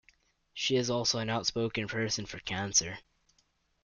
She is also an outspoken person for Cancer.